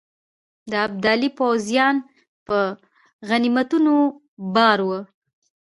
د ابدالي پوځیان په غنیمتونو بار وه.